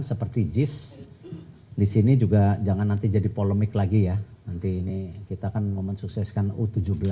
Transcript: seperti jis disini juga jangan nanti jadi polemik lagi ya nanti ini kita akan memuat sukseskan u tujuh belas